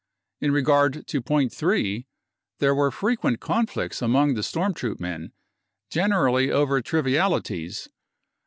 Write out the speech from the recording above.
In regard to point 3 : there were frequent conflicts among the storm troop men, generally over trivialities